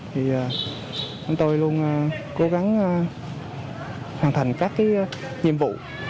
thì chúng tôi luôn cố gắng hoàn thành các nhiệm vụ